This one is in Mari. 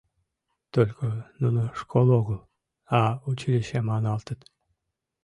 — Только нуно школ огыл, а училище маналтыт..